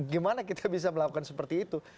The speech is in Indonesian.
gimana kita bisa melakukan seperti itu